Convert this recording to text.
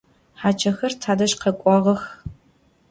Haç'exer tadej khek'uağex.